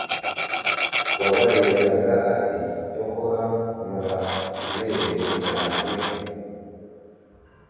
wabareberaga ati”cyokora muraberewe cyane pe,